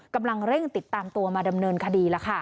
กำลังเร่งติดตามตัวมาดำเนินคดี